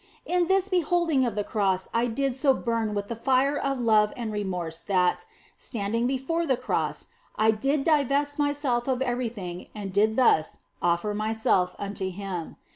In this beholding of the Cross I did so burn with the fire of love and remorse that, standing before the Cross, I did divest myself of everything and did thus offer myself unto Him.